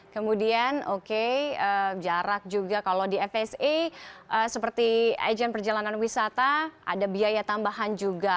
kemudian oke jarak juga kalau di fsa seperti agent perjalanan wisata ada biaya tambahan juga